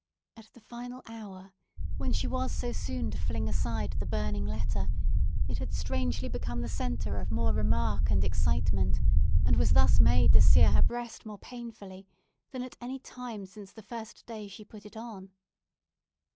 At the final hour, when she was so soon to fling aside the burning letter, it had strangely become the centre of more remark and excitement, and was thus made to sear her breast more painfully, than at any time since the first day she put it on.